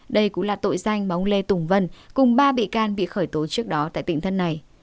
đây cũng là tội danh mà ông lê tùng vân cùng ba bị can bị khởi tố trước đó tại tỉnh thân này